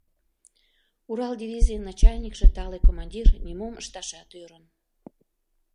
Урал дивизийын начальникше, тале командир, нимом ышташат ӧрын.